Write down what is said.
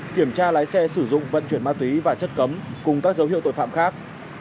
kiểm tra lái xe sử dụng vận chuyển ma túy và chất cấm cùng các dấu hiệu tội phạm khác